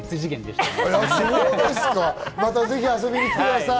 また遊びに来てください。